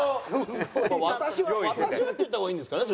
私は私はって言った方がいいんですかね？